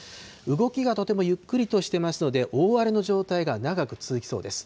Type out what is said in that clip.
動きがとてもゆっくりとしてますので、大荒れの状態が長く続きそうです。